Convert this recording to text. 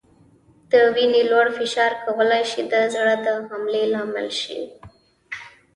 د وینې لوړ فشار کولای شي د زړه د حملې لامل شي.